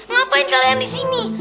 ngapain kalian disini